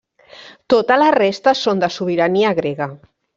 Tota la resta són de sobirania grega.